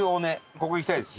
ここ行きたいです。